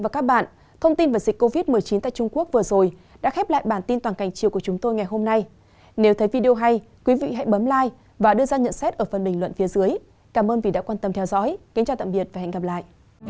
cảm ơn các bạn đã theo dõi và hẹn gặp lại